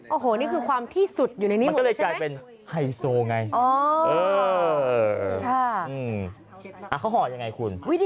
โอ้โหนี่คือความที่สุดอยู่ในนี้หมดใช่ไหม